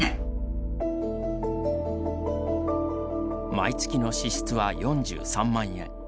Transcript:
毎月の支出は４３万円。